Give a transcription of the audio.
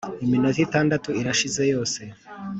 Iminota itandatu irashize yose